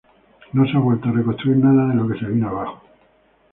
No se ha vuelto a reconstruir nada de lo que se vino abajo.